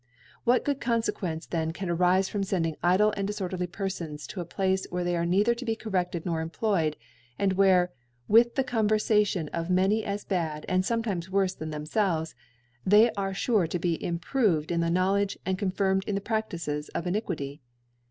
What good Cpnfequnece then can arife from fending idle and diforderly Perfons to a Place where ihcy are neither to be correft^ ed nor employed ; and where with the Con verfation of many as bad, and fometimes worfe than thenifelves, they are fure to be improved in the Knowledge, and confirmtd in the Praftice of Iniquity